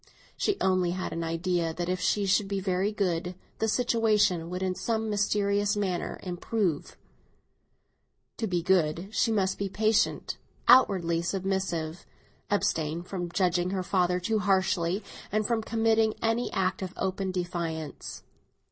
She only had an idea that if she should be very good, the situation would in some mysterious manner improve. To be good, she must be patient, respectful, abstain from judging her father too harshly, and from committing any act of open defiance.